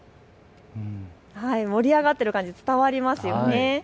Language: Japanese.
盛り上がっている感じ伝わりますよね。